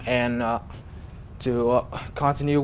và tiếp tục làm việc